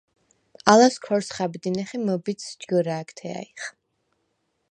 ალას ქორს ხა̈ბდინეხ ი მჷბიდს ჯგჷრა̄̈გთე ა̈ჲხ.